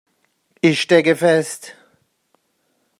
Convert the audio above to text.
Ich stecke fest.